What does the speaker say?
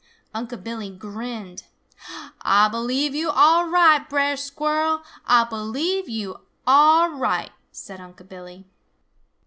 Unc' Billy grinned. "Ah believe yo' are right, Brer Squirrel, Ah believe yo' are right!" said Unc' Billy.